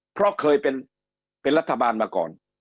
เพราะเคยเป็นรัฐบาลมาก่อน